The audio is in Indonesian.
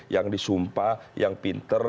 yang disumpah yang pinter